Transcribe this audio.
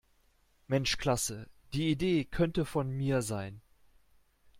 Mensch Klasse, die Idee könnte von mir sein.